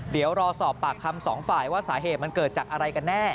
เดี๋ยวรอสอบปากคำสองฝ่ายว่าสาเหตุมันเกิดจากอะไรกันแน่